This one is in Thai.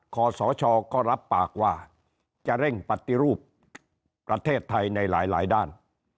ขอสชก็รับปากว่าจะเร่งปฏิรูปประเทศไทยในหลายด้าน